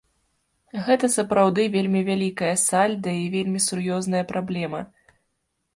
Гэта сапраўды вельмі вялікае сальда і вельмі сур'ёзная праблема.